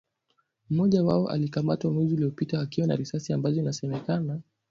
mmoja wao alikamatwa mwezi uliopita akiwa na risasi ambazo inasemekana